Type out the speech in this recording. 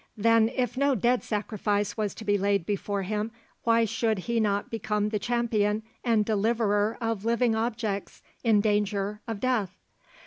Then if no dead sacrifice was to be laid before him, why should he not become the champion and deliverer of living objects in danger of death?